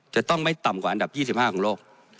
จะต้องไม่ต่ำกว่าอันดับ๒๕ของโลก